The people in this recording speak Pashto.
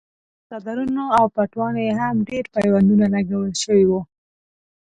په څادرونو او پټوانو یې هم ډېر پیوندونه لګول شوي وو.